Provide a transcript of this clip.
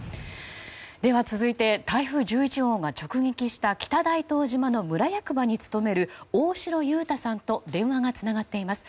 では、続いて台風１１号が直撃した北大東島の村役場に勤める大城雄太さんと電話がつながっています。